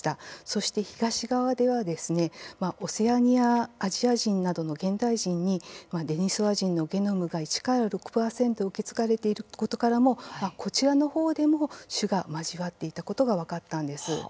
そして東側ではオセアニア・アジア人などの現代人にデニソワ人のゲノムが１から６％受け継がれていることからもこちらの方でも種が交わっていたことが分かったんです。